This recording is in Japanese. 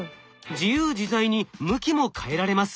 自由自在に向きも変えられます。